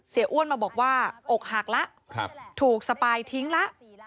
เสียอ้วนมาบอกว่าอกหักละถูกสปายทิ้งละ